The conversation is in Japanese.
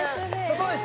どうでした？